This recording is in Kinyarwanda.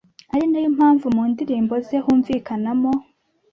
ari nayo mpamvu mu ndirimbo ze humvikanamo